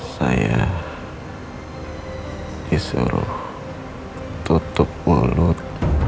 saya disuruh tutup mulut